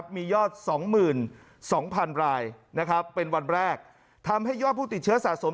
มียอด๒๒๐๐๐รายเป็นวันแรกทำให้ยอดผู้ติดเชื้อสะสม